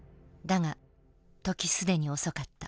だが時既に遅かった。